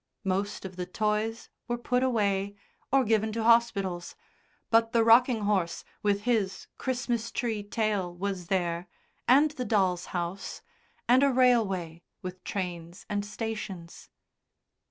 Most of the toys were put away or given to hospitals, but the rocking horse with his Christmas tree tail was there, and the doll's house, and a railway with trains and stations.